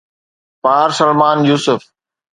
پارسلمان Yusuf.